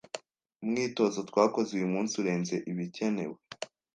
Umwitozo twakoze uyu munsi urenze ibikenewe